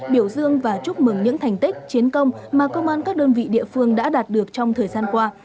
biểu dương và chúc mừng những thành tích chiến công mà công an các đơn vị địa phương đã đạt được trong thời gian qua